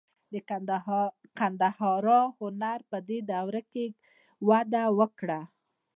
د ګندهارا هنر په دې دوره کې وده وکړه.